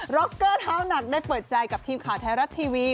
ร็อกเกอร์เท้าหนักได้เปิดใจกับทีมข่าวไทยรัฐทีวี